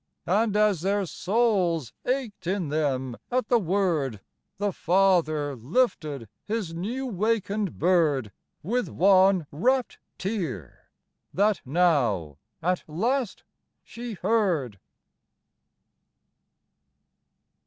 And as their souls ached in them at the word, The father lifted his new wakened bird With one rapt tear, that now at last she heard!